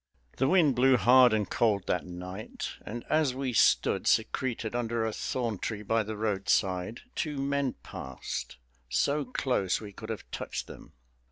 The wind blew hard and cold that night, and as we stood secreted under a thorn tree by the roadside two men passed, so close we could have touched them.